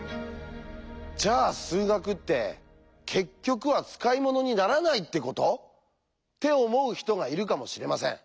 「じゃあ数学って結局は使い物にならないってこと？」って思う人がいるかもしれません。